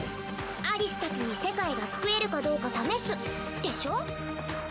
アリスたちに世界が救えるかどうか試すでしょ？